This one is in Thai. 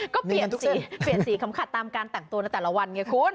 ก็เปลี่ยนสีเปลี่ยนสีขำขัดตามการแต่งตัวในแต่ละวันไงคุณ